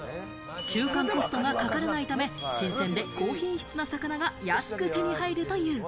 中間コストがかからないため、新鮮で高品質の魚が安く手に入るという。